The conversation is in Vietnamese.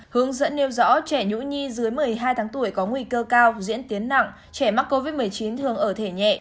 hướng dẫn nêu rõ trẻ nhũ nhi dưới một mươi hai tháng tuổi có nguy cơ cao diễn tiến nặng trẻ mắc covid một mươi chín thường ở thể nhẹ